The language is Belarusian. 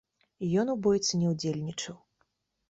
Ён у бойцы не удзельнічаў.